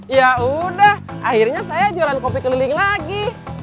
yaudah akhirnya saya jualan kopi keliling lagi